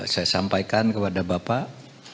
saya sampaikan kepada bapak